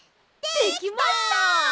できました！